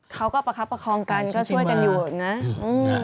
เขาก็ประคับประคองกันก็ช่วยกันอยู่นะอืม